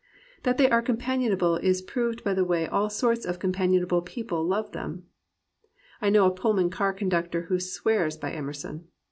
That they are companionable is proved by the way all sorts of companionable people love them. I know a Pullman car conductor who swears by Emerson.